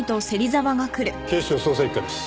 警視庁捜査一課です。